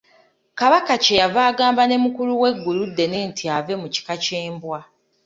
Kabaka kye yava agamba ne mukulu we Gguluddene nti ave mu kika ky'embwa.